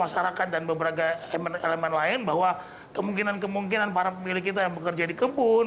masukan masukan dari penyelenggara pemilu masyarakat dan beberapa elemen lain bahwa kemungkinan kemungkinan para pemilih kita yang bekerja di kebun